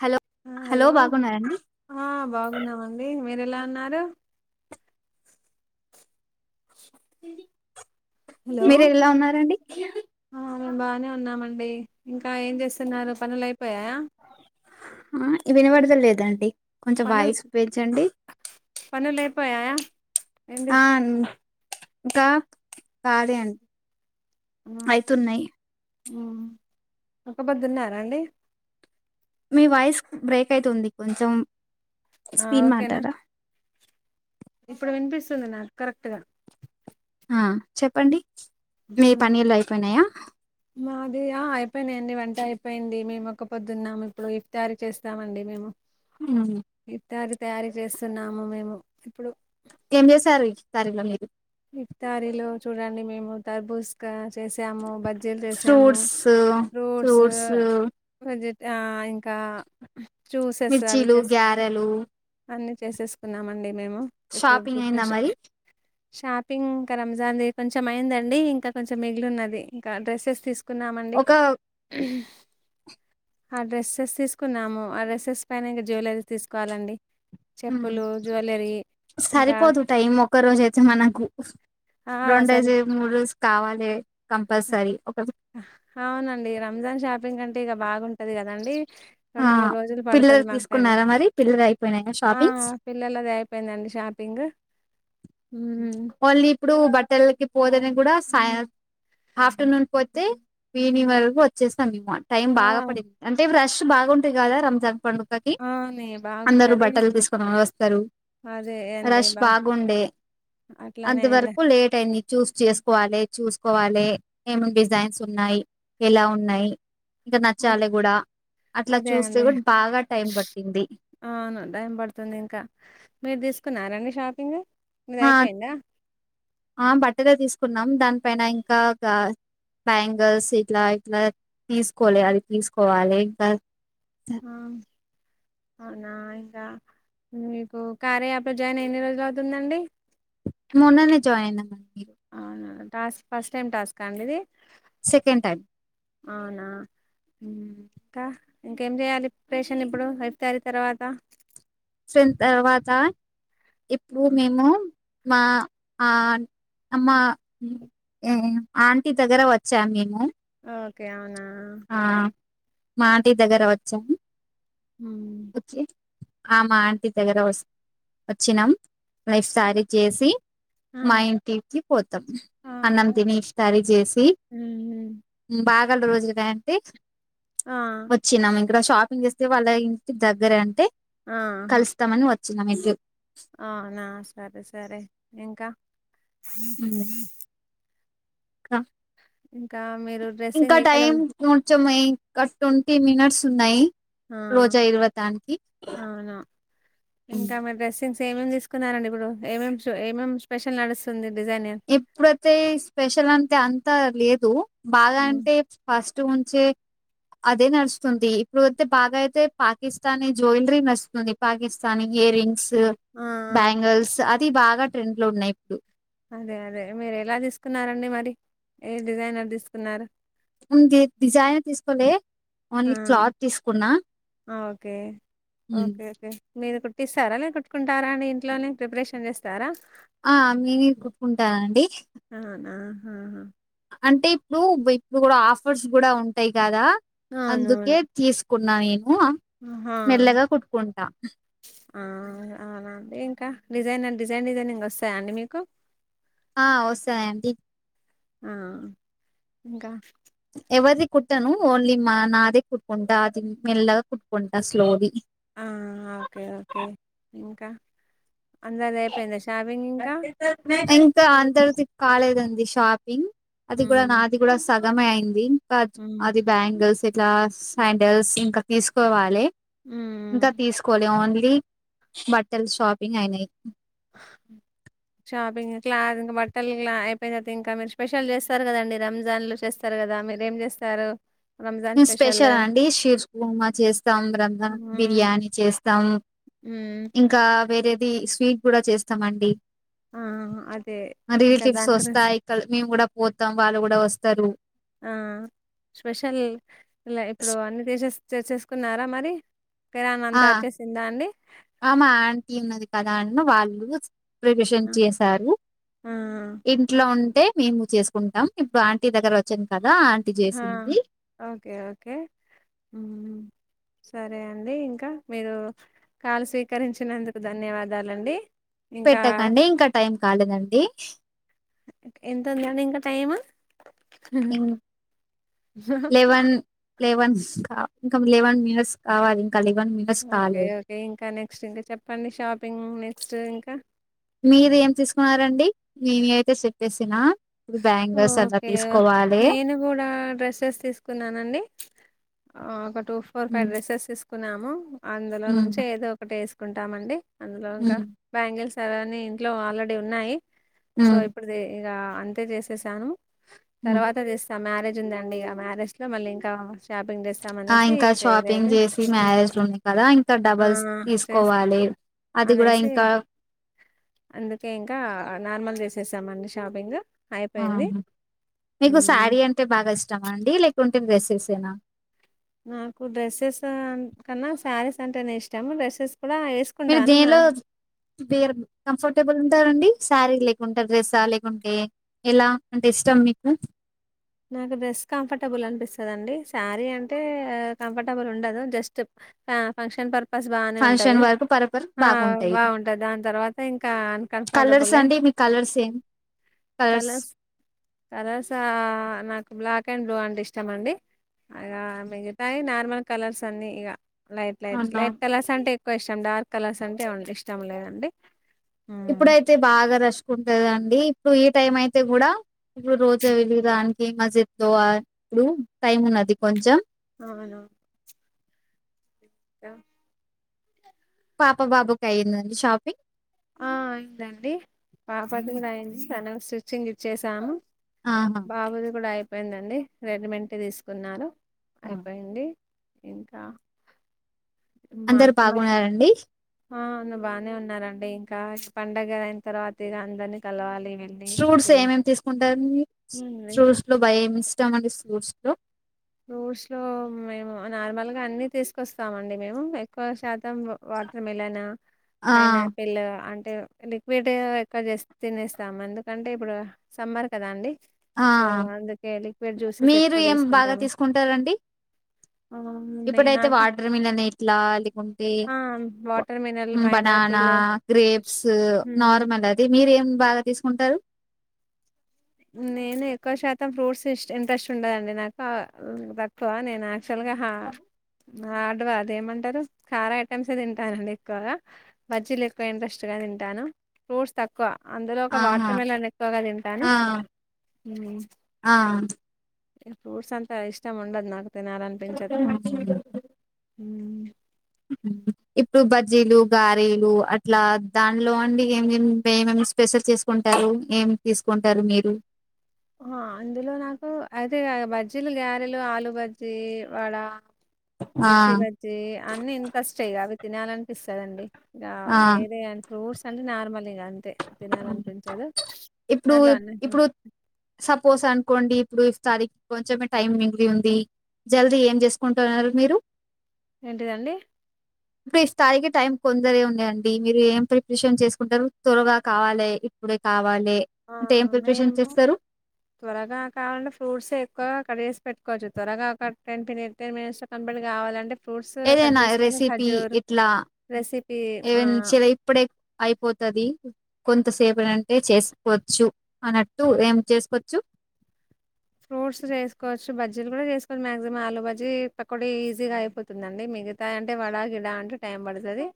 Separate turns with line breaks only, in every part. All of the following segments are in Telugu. హలో
ఆ హలో ఆ బాగున్నామండి మీర ఎలా ఉన్నారు ఉ
మీరు ఎలా ఉన్నారండి
ఆ మేము బానే ఉన్నామండి ఇంకా ఏం చేస్తున్నారు పనుల
ఆ వినవడద లేదండి కొంచెం
పనులు
వాయిసు పెంచండి
పయా
ఆన్ ఇంకా కాలీ అండి అయితున్నయ్
ఒక బొద్దున్నారాండి
మీ వాయిస్ బ్రేక్ అయితుంది కొంచెం
ఆ
స్పీడ్
ఓకేనా
మాట్లాడరా
ఇప్పుడు వినిపిస్తుంది నాకు కరెక్ట్ గా
ఆ చెప్పండి మీ
ఉమ్
పన్నీళ్ళు అయిపోయినాయా
మాది ఆ అయిపోయినాయండి వంట అయిపోయింది మేము ఒక్క పొద్దున్నాము ఇప్పుడు ఇఫ్ తారి చేస్తామండి మేము ఇతరి తయారు చేస్తున్నాము మేము ఇప్పుడు
ఏం చేస్తారు ఇతరీ ల మీరు
ఇఫ్తారీలో చూడండి మేము దర్బూస్గా చేసాము బజీలు చేసము
ఫ్రూట్స్
ఫ్రూట్స్ వెజి ఆ ఇంకా చూసేస్ అవి
మిర్చీలు
చేస్
గ్యారెలు
అన్ని చేసేసుకున్నామండి మేము ఇప్పుడు
షాపింగ్ అయిందా మరి
[unintelligible] షాపింగ్ ఇంకా రంజాన్ది కొంచెం అయిందండి ఇంకా కొంచెం మిగిలి వున్నది ఇంకా డ్రెస్సెస్ తీసుకు కున్నామండి
ఒక
ఆ డ్రెస్సెస్ తీసుకున్నాము ఆ డ్రస్సెస్ పైన ఇంకా జ్యువలరీస్ తీసుకోవాలండి
ఊ
చెప్పులు జ్యువెలరీ ఇంకా
సరిపోదు టైం ఒక రోజే చి మనకు
ఆ సరి
రొండేసి మూడు డ్రెస్ కావాలి కంపల్సరీ ఒక
అవునండి రంజాన్ షాపింగ్ అంటే ఇక బాగుంటది కదండి
ఆ
రెండు మూడు రోజులు
పిల్లలు
పడుతది మాకు టైము
తీసుకున్నారా మరి పిల్లలు అయిపోయినాయా
ఆ
షాపింగ్స్
పిల్లలది అయిపోయిందండి షాపింగు
ఓన్లీ ఇప్పుడు బట్టలకి పోదని కూడా సాయ ఆఫ్టర్నూన్ పోతే ఈవినింగ్ వరకు వచ్చేస్తాం ఈ మార్ టైం బాగా
ఆ
పడింది అంటే రష్ బాగుంటది కదా రంజాన్ పండు కకి
అవునే
అందరు
బాగుంటది.
బట్టలు తీసుకని వస్తారు
అదే అండి
రష్
బా
బాగుండే
అట్లానే అండి
అంతవరకు లేట్ అయి న్ని చూస్ చేసుకోవాలి చూసుకోవాలి ఏమ డిజైన్స్ ఉన్నాయి ఎలా ఉన్నాయి ఇంకా
అ-
నచ్చాలి కూడా అట్లా
అదే
చూస్తే
అండి
కూడా బాగా టైం పట్టింది
అవును టైం పడుతుంది ఇంకా మీరు తీసుకున్నారండి షాప్
ఆ బట్టలు తీసుకున్నాం దానిపైన ఇంకా బ్యాంగిల్స్ ఇట్లా ఇట్లా తీసుకోలేాలి తీసుకోవాలి ఇంకా
ఆ అవున మీకు కార్య యాప్ లో జైన్ ఎన్ని రోజులు అవుతుందండి
మొన్ననే జాయి అయి అమ్మ మీరు
అవునా టాస్క్ ఫస్ట్ టైమ్ టాస్క్ అండి ఇది
సెకండ్ టైం
అవునా ఇంకా ఇంకేం చెయాలి ప్ర ప్రేషన్ ఇప్పుడు అయిపు తారీ తర్వాత
చిన తర్వాత ఇప్పుడు మేము మా ఆ అమ్మ ఆంటీ దగ్గర వచ్చా నేను
ఓకే అవునా
ఆ ఆంటీ దగ్గర వచ్చా
హు
ఆ మా ఆంటీ దగ్గర వ వచ్చినాం లైఫ్ [unintelligible] చేసి
ఆ
మా ఇంటికి పోతాం
అవునా
అన్నం తినే స్టారీ చేసి
ఉమ్,
బాగాల రోజుగా అంటే
ఆ
వచ్చినాం ఇక్కడ షాక్ ఓపన్ చేస్తే వాళ్ళ ఇంటి దగ్గర అంటే
ఆ
కలుస్తామని వచ్చినన్నాం ఇ
అవునా సరే సరే ఇంకా హ హ
క
ఇంకా మీరు
ఇంకా
డ్రెస్సింగ్ ఏ కలర్
టైమ్ కొంచం ఇంకా ట్వంటీ మినిట్స్ ఉన్నాయి
ఆ
రోజా ఇరవతానికి
ఏమేం తీసుకున్నారండి ఇప్పుడు ఏమేం ఏమేం స్పెషల్ నడుస్తుంది డిజైన్
ఎప్పుడైతే స్పెషల్ అంటే అంతా లేదు బాగా
ఉమ్.
అంటే ఫస్ట్ [unintelligible] అదే నడుస్తుంది ఇప్పుడు అయితే బాగా అయితే పాకిస్తానీ జ్యువెలరీ నడుస్తుంది పాకిస్తానీ ఇయర్ రింగ్స్
ఆ ఆ,
బ్యాంగిల్స్ అది బాగా ట్రెండ్ లో ఉన్నాయి ఇప్పుడు
అదే అదే మీరు ఎలా తీసుకున్నారంండి మరి ఏ డిజైైనర్ తీసుకున్నారు
ఉంది డిజైన్ తీసుకోలే ఓన్లీ క్లాత్ తీసుకున్నా
ఆ ఒకే ఒకే [unintelligible] ఇస్తారా లే కొట్టుకుంటారా అండి ఇంట్లోనే ప్రిపరేషన్ చేస్తారా
ఆ మీది కుట్టుకుంటానండి
అవునా ఆహా
అంటే ఇప్పుడు ఇప్పుడు కూడా ఆఫర్స్ కూడా ఉంటాయి కదా అందుకే తీసు [unintelligible]
హా ఆ అవునండి ఇంకా డిజైైనర్ డిజైన్ డిజైనింగ్ వస్తాయా అండి మీకు
ఆ వస్తాయి ఆంటీ
ఆ ఇంకా
ఎవది కుట్టాను ఓన్లీ మా నాదే కుట్కుంటా అది మెల్లగా కుట్కుంటా స్లోలీ
ఆ ఓకే ఓకే ఇంకా అందరిది అయిపోయింద
ఇంకా అంధర్ది కాలేదండి షాపింగ్ అది కూడా
మ్మ్
నాది కూడా సగమే అయింది ఇంకా అది బ్యాంగిల్స్ లా శాండల్స్ ఇంకా తీసుకోవాలి ఇంకా తీసుకోవాలి ఓన్లీ బట్టలు షాపింగ్ అయినయి
షాపింగ్ ఇట్లా ఇంకా బట్టలు ఇలా అయిపోయినత ఇంకా మీరు స్పెషల్ చేస్తారు కదండి రంజాన్ లు చేస్తారు కదా కదా మీర ఏం చేస్తారు
స్పెషల్ అండి షీర్స్ బమా చేస్తాం రంధ
మ్మ్
బిర్యానీ చేస్తాం
మ్మ్
ఇంకా వేరేది స్వీట్ కూడా చేస్తామండి
ఆ అదే ఇంకా
రిలేటివ్స్
దాని గురించి
వస్తాయి ఇక్క మేము కూడా పోతాం వాళ్ళు కూడా వస్తారు
ఆ స్పెషల్ ఇలా ఇప్పుడు అన్ని దేశెస్ చర్చేసుకున్నారా మరి కిరాణా
ఆ
అంతా వచ్చేసిందా అండి
ఆమ ఆంటీ ఉన్నది కదా వాళ్ళు ప్రిపషన్
ఆ
చేసారు
ఆ
ఇంట్లో ఉ అే మేము చేసుకుంటాం ఇప్పుడు ఆంటీ దగ్గర వచ్చాను కాద
హ ఓకే ఓకే సరే అండి ఇంకా మీరు కాల్ స్వీకరించినందుకు ధన్యవాదాలండి ఇంకా
పెట్టకండి ఇంకా టైం కాలేదండి
ఎంతుంది అండి ఇంకా టైమ్
లేవన్ ఇంకా లెవన్ మినిట్స్ కావాలి ఇంకా లెవెన్ మినిట్స్
ఓకే
కాలేదు
ఓకే ఇంకా నెక్స్ట్ ఇంకా చెప్పండి షాపింగ్ నెక్స్ట్ ఇంకా
మీరు ఏం తీసుకున్నారంండి నేనువైతే చెప్పేసిన ఇప్పుడు బ్యాంగిల్స్ అలా
ఓకే
తీసుకోవాలి
నేను కూడా డ్రెస్సెస్ తీసుకున్నానండి ఒక two four five
um
dresses తీసుకున్నాము అందులో
ఉమ్
నుంచి ఏదో ఒకటి వేసుకుంటామండి అందులో ఇంకా
హ్మ్.
బ్యాంగిల్స్వ అీ ఇంట్లో ఆల్రెడీ ఉన్నాయి సో
హ్మ్.
ఇప్పుడు ఇగా తే చేసేసాను
హ్మ్.
తర్వాత చేస్తాను మ్యారేజ్ ఉందండి ఇక మ్యారేజ్ లో మళ్ళీ ఇంకా షాపింగ్ చేస్తాం
ఆ
అనేసి
ఇంకా షాపింగ్
చేయలేదు
చేసి
హ్మ్.
మ్యారేజ్ లో ఉంది కదా ఇంకా
ఆ
డబల్స్
చేస్
తీసుకోవాలి అది కూడా
అనేసి
ఇంకా
అందుకే ఇంకా నార్మల్ చేసేసాము అండి షాపింగ్
ఆహ
అయిపోయింది
మీకు
మ్మ్
శారీ అంటే బాగా ఇష్టం అండి లేకుంటే డ్రెస్సెస్ ఎన
నాకు డ్రెస్సెస్ కన్నా శారీస్ అంటేనేే ఇష్టాము డ్రెస్సెస్ కూడా
మీరు
వేసుకుంటాను నా
దేనిలో వేరు కంఫర్టబుల్ స్తారండి శారీ లేకుంటే డ్రెస్స లేకుంటే ఎలా అంటే ఇష్టం మీకు
నాకు డ్రెస్ కంఫర్టబుల్ అనిపిస్తుందిండి శారీ అంటే కంఫర్టబుల్ ఉండదు జస్ట్ ఆ ఫంక్షన్ పర్ ఫస్ట్ బానే ఉంటది
ఫంక్షన్ వరకు పర్పస్
ఆ
బాగుంటాయి.
బాగుంటది దాని తర్వాత ఇంకా అన్కంఫర్టబులే
కలర్ సేమ్
కలస్ కలస నాకు బ్లాక్ అండ్ బ్లూ అంటే ఇష్టం అండి ఇ మిగతాయి నార్మల్ కలర్స్ అన్ని ఇక లైట్ లైట్
అన్నా
లైట్ కలర్స్ అంటే ఎక్కువ ఇష్టం డార్క్ కలర్స్ అంటేడి ఇష్టం లేదండి ఉమ్.
ఇప్పుడుయితే బాగా దచ్చకుంటదండి ఇప్పుడు ఈ టైం అయితే కూడా ఇప్పుడు రోజా వెళడానికి మసీదులో ఇప్పుడు టైమ్ ఉన్నది కొంచెం
అవును అ
పాప బాబుకు అయ్యంద షాపింగ్
ఆ అయిందండి పాపది అయింది తనవి స్ట్రిచింగ్ ఇచ్చసాను
ఆహా!
బాబుది కూడా అయిపోయిందండి రెడీమెంట్ తీసుకున్నాను అయిపోయింది ఇంకా మా
అందరు
అత్తమ్మకి
బాగున్నారండి
ఆ అ బాగానే ఉన్నారండి ఇంకా పండుగ అయిన తర్వాత ఇగా అందరినీ కలవాలి వెళ్ళి
ఫ్రూట్స్ ఏమేమి తీసుకుంటారండి ఫ్రూట్స్ లో భయ ఏమి ఇష్టం అండి ఫ్రూట్స్ లో
ఫ్రూట్స్ లో మేము నార్మల్గా అన్ని తీసుకొస్తామండి మేము ఎక్కువ శాత మొత్తం వాటర్ మలన్
ఆ!
పైన్ ఆపిల్ అంట అంటే లిక్విడ్ ఎక్కువ చే తినేస్తాము ఎందుకంటే ఇప్పుడు సమ్మర్ కదా అండి
ఆ!
సో అందుకే లిక్విడ్ జ్యూసెస్ ఎక్కువ తీసుకుంటాము
కుంటారండి
అవునండి
ఇప్పుడైతే
నాకు
వాటర్ మిలన్ ఎట్లా లేకుంటే
ఆ వాటర్ మినరల్
బాణా అవునా
పైనాపిల్
గ్రేప్స్ నార్మల్ ఇది మీర ఏం బాగా తీసుకుంటారు.
నేను ఎక్కువ శాతం ఫ్రూట్స్ ఇ ఇంట్రెస్ట్ ఉండదండి నాకు తక్కువ నేను సలగాహ హడ్గ ఏమంటారు కారా ఐటమ్స్ ఏ తింటానండి ఎక్కువగా బజ్జీలు ఎక్కువ ఇంట్రెస్ట్ గా తింట, తింటాను ఫ్రూట్స్ తక్కువ అందులో ఒక
ఆహా!
వాటర్ మిలన్ ఎక్కువగా తింటాను,
ఆ! ఆ
ఫ్రూట్స్ అంతా ఇష్టం ఉండదు నాకు తినాలనిపించదు, ఉ
ఇప్పుడు బజ్జీలు గారేలు అట్లా దాంట్లో అండి ఏమి స్పెషల్ చేసుకుంటారు ఏం తీసుకుంటారు మీరు
ఆ అందులో నాకు అయితే బజ్జీలు, గ్యారెలు, ఆలుూ బజ్జీ, వడ
ఆ
మిర్చి బజ్జీ అన్నీ ఇంకా ఇంట్రెస్టే అవి తినాలనిపిస్తందండి. ఇంకా
ఆ
వేరే అ ఫ్రూట్స్ అంటే నార్మల్ ఇగా అంతే తినాలనిపించదు
ఇప్పుడు
దాంట్లో అన్న
ఇప్పుడు సపోజ్ అనుకోండి ఇప్పుడు ఇ తారీఖ కొంచమే టైమ్ మిగిలి ఉంది. జల్దీ ఏం చేసుకుంటున్నారు మీరు
ఏంటిదండి
ఇప్పుడు ఈ స్థాయికి టైం కొందరే ఉన్నాయండి మీరు ఏం ప్రిప్రిషన్ చేసుకుంటారు త్వరగా, కావాలి ఇప్పుడే కావాలి
ఆ
అంటే ఏం ప్రిపరేషన్
మేము
చేస్తారు
త్వరగా కావాలంటే ఫ్రూట్స్ ఎక్కువ కట్ చేస్త పెట్టుకోవచ్చు త్వరగా ఒక టెన్పిని టెన్ మినిట్స్ కంప్లీట్ కావాలంటే, ఫ్రూట్స్ కట్
ఏదైనా
చేసుకొని
రెసిపీ
ఖజూర్
ఇట్లా
రెసిపీ
ఈవన్
ఆహ్,
చిల ఇప్పుడే అయిపోత తది కొంత సేప అంటే చేసుకోవచ్చు అన్నట్టు ఏం చేసుకోవచ్చు,
ఫ్రూట్స్ చేసుకోవచ్చు బజ్జీలు కూడా చేసుకోవచ్చు మాక్సిమం ఆలుబజ్జీ పకోొడి ఈజీగా అయిపోతుందండి, మీ మిగతా అంటే వడ గిడా అంటే టైం పడుతది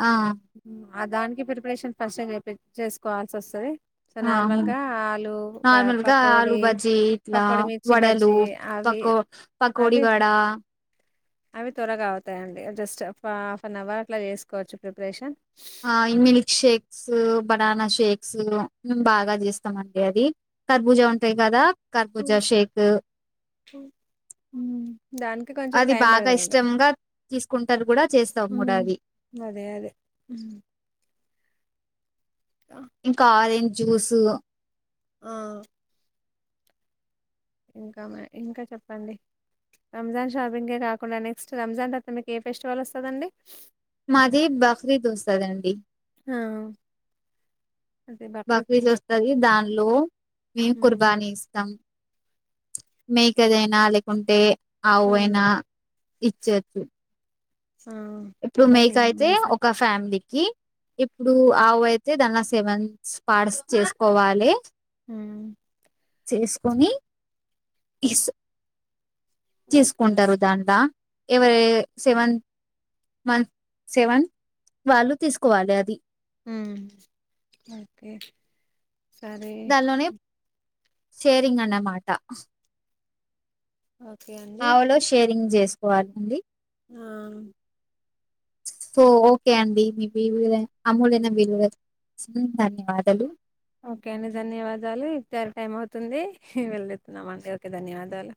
ఆ
ఆ దానికి ప్రిపరేషన్ ఫస్ట్ చె చేసుకోవాల్సి వస్తది, సో
ఆహా
నార్మల్గా ఆలు
నార్మల్గా ఆలు
పకోడి
బజ్జీ ఇట్లా
పకోడి, మిర్చి
వడలు
బజీ ఆవి
పకో
ఆ
పకోడి వడ
అవి త్వరగా అవుతాయండి జస్ట్ హాఫ్ అన్ అవర్ అట్లా చేసుకోవచ్చు preparation,
all milk shakes banana shakes మేము బాగా చేస్తామండి, అది కర్బూజా ఉంటాయి కదా కర్బూజా షేక్
ఉ
అది బాగా ఇష్టంగా తీసుకుంటారు కూడా చేస్తావు కూడా అది,
ఉ
ఇంకా ఆరెంజ్ జ్యూసు
ఆ ఇంకా మ ఇంకా చెప్పండి. రంజాన్ షాపింగ్కే కాకుండా నెక్స్ట్ రంజాన్ తరువాత మీకు ఏ ఫెస్టివల్ వస్తుందండి.
మాది బక్రీద్ వస్తాదండి,
ఆ
బక్రీద్ వస్తాది దాని లో మేము
హ్మ్
కుర్బానీ ఇస్తాం మేకదైనా లేకుంటే అవు
ఆ
అయినా ఇచ్చచ్చు
ఆ,
ఇప్పుడు
బయట
మేక అయితే
ఏమన్నా సార్
ఒక ఫ్యామిలీ, ఇప్పుడు ఆవు అయితే దాని సెవెన్స్ పట్స్ చేసుకోవాలి.
ఉ
చేసుకొని
ఓకే అండి
తీసుకుంటారు అదంతా, ఎవరు సెవెన్ వన్ సెవెన్ వాళ్ళు తీసుకోవాలి అది
బకే సారే
దానిలోనే షేరింగ్ అన్న మాటా
ఓకే అండి
రింగ్ చేసుకోవాలండి
ఆ
సో ఓకే అండి మీలు అమూల్యైన విలుగా ధన్యవాదాలు
ఓకే అండి ధన్యవాదాలు ఇచ్చారి టైం అవుతుందిే వెళ్ళితున్నామ అండి ఓకే ధన్యవాదాలు